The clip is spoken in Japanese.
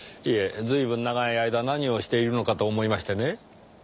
いえ随分長い間何をしているのかと思いましてね。